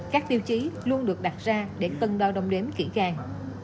các tiêu chí luôn được đặt ra để tân đo đồng đếm kỹ càng